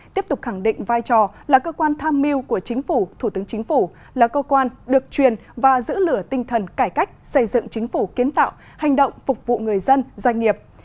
tiếp tục khẳng định vai trò là cơ quan tham mưu của chính phủ thủ tướng chính phủ là cơ quan được truyền và giữ lửa tinh thần cải cách xây dựng chính phủ kiến tạo hành động phục vụ người dân doanh nghiệp